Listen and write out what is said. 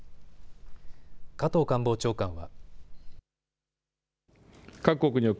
加藤官房長官は。